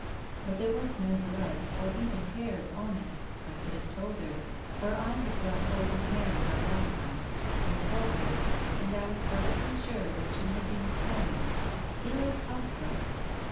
But there was no blood or even hairs on it, I could have told her, for I had got hold of Mary by that time, and felt her, and I was perfectly sure that she had been stunned — killed outright.